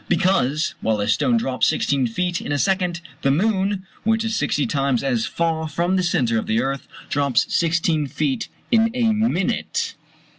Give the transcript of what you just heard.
[Because, while a stone drops 16 feet in a second, the moon, which is 60 times as far from the centre of the earth, drops 16 feet in a minute.